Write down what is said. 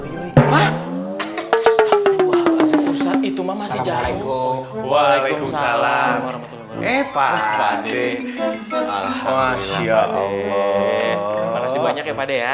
itu masih jago waalaikumsalam